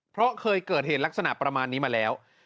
เพราะเคยเกิดเหตุลักษณะประมาณนี้มาแล้ว